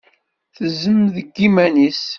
Tezzem deg yiman-is.